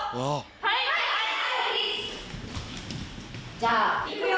じゃあいくよ！